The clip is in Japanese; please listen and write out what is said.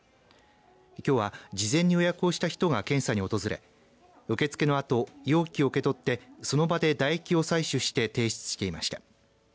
きょうは事前に予約をした人が検査に訪れ受け付けのあと容器を受け取ってその場でだ液を採取して提出していました。